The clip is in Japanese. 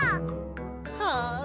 はあ！